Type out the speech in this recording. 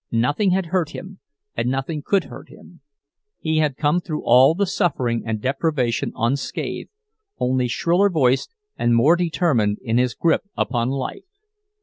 Nothing had hurt him, and nothing could hurt him; he had come through all the suffering and deprivation unscathed—only shriller voiced and more determined in his grip upon life.